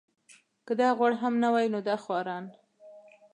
که دا غوړ هم نه وای نو دا خواران.